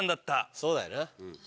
そうだよな。